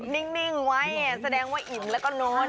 นิ่งไว้แสดงว่าอิ่มแล้วก็นอน